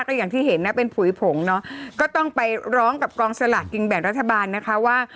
ก็อย่างที่เห็นนะเป็นผุยผงเนาะก็ต้องไปร้องกับกองสลากกินแบ่งรัฐบาลนะคะว่า